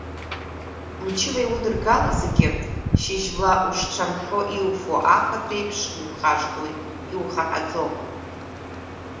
Мчыла иудыргало зегьы, шьыжьла ушцәамхьоу иуфо афатә еиԥш иухашҭуеит, иухаҳаӡом.